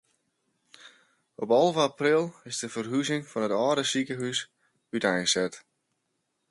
Op alve april is de ferhuzing fan it âlde sikehús úteinset.